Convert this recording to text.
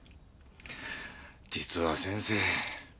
実は先生。